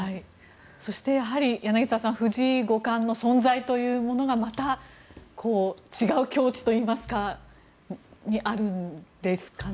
そして藤井五冠の存在というものがまた違う境地というかそこにあるんですかね。